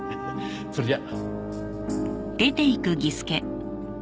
それじゃあ。